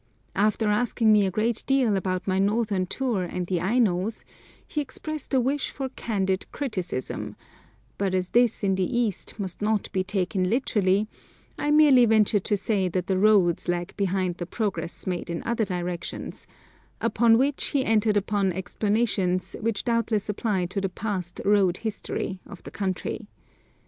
After asking me a great deal about my northern tour and the Ainos, he expressed a wish for candid criticism; but as this in the East must not be taken literally, I merely ventured to say that the roads lag behind the progress made in other directions, upon which he entered upon explanations which doubtless apply to the past road history of the country.